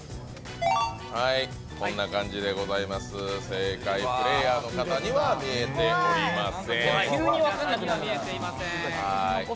正解はプレーヤーの方には見えていません。